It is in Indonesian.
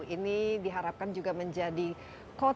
ini diharapkan juga menjadi kota yang menjadi contohnya